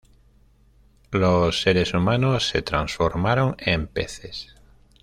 Los seres humanos se transformaron en peces.